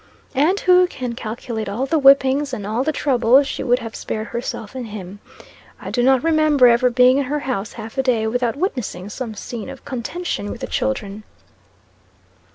And who can calculate all the whippings, and all the trouble, she would have spared herself and him? I do not remember ever being in her house half a day without witnessing some scene of contention with the children.